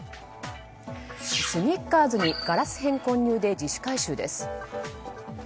スニッカーズにガラス片混入で自主回収です。